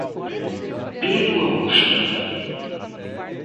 Pedro Augusto